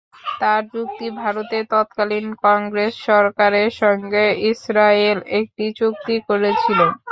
তাঁর যুক্তি, ভারতের তৎকালীন কংগ্রেস সরকারের সঙ্গে ইসরায়েল একটি চুক্তি করেছিল।